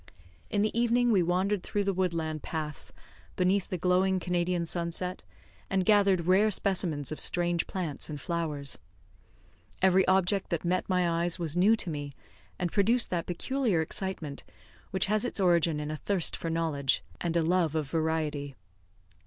In the evening we wandered through the woodland paths, beneath the glowing Canadian sunset, and gathered rare specimens of strange plants and flowers. Every object that met my eyes was new to me, and produced that peculiar excitement which has its origin in a thirst for knowledge, and a love of variety.